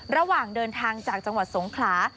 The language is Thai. ระหว่างเดินทางจากจังหวัดสงขลา